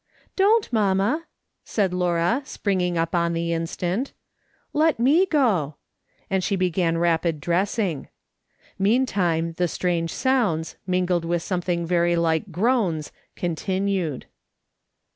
" Don't, mamma," said Laura, springing up on the instant ;" let me go," and she began rapid dressing. Meantime the strange sounds, mingled with some thing very like groans, continued.